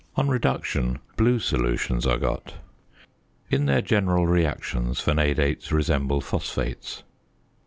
On reduction, blue solutions are got. In their general reactions vanadates resemble phosphates.